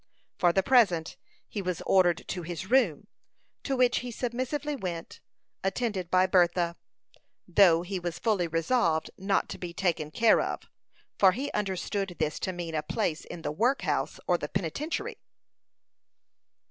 For the present he was ordered to his room, to which he submissively went, attended by Bertha, though he was fully resolved not to be "taken care of;" for he understood this to mean a place in the workhouse or the penitentiary.